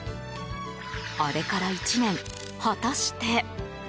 あれから１年、果たして。